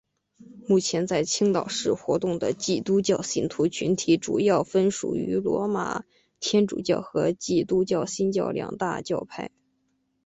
目前在青岛市活动的基督教信徒群体主要分属于罗马天主教和基督教新教两大教派。